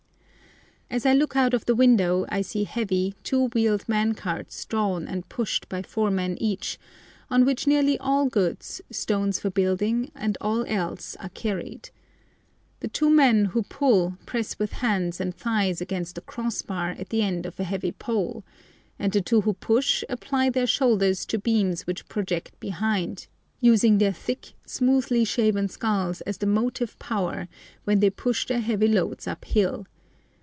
As I look out of the window I see heavy, two wheeled man carts drawn and pushed by four men each, on which nearly all goods, stones for building, and all else, are carried. The two men who pull press with hands and thighs against a cross bar at the end of a heavy pole, and the two who push apply their shoulders to beams which project behind, using their thick, smoothly shaven skulls as the motive power when they push their heavy loads uphill.